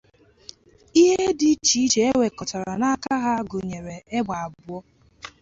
Ihe dị iche iche e nwekọtara n'aka ha gụnyere égbè abụọ